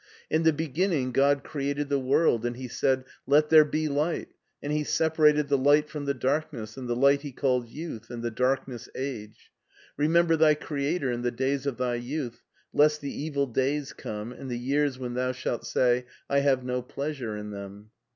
In the beginning God created the world, and He said. Let there be light, and He separated the light from the darkness, and the light He called youth and the darkness age. Remember thy Creator in the days of thy youth, lest the evil days come and the years when thou shalt say, 'I have no pleasure in them.